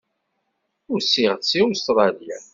Usiɣ-d seg Ustṛalya.